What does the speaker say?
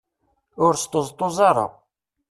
Ur sṭeẓṭuẓ ara.